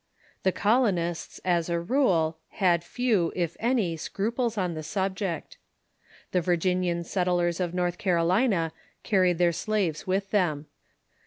The colonists, as a rule, had few, if any, scruples on the subject. The Virginian set tlers of Xorth Carolina carried their slaves with them.